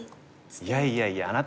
「いやいやいやあなた